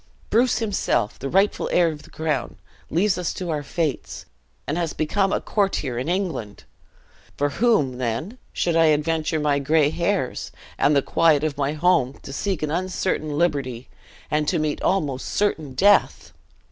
Bruce himself, the rightful heir of the crown, leaves us to our fates, and has become a courtier in England! For whom, then, should I adventure my gray hairs, and the quiet of my home, to seek an uncertain liberty, and to meet an almost certain death?"